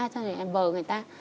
vợ người ta